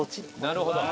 なるほど！